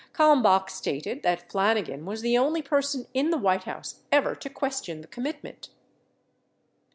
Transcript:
Kalmbach stated that Flanigan was the only person in the White House ever to question the commitment.